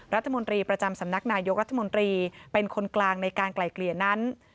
รัฐมนตรีประจำสำนักนายกรัฐมนตรีเป็นคนกลางในการไกลเกลี่ยนั้น